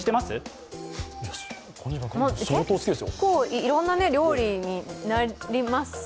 結構いろんな料理になりますよね。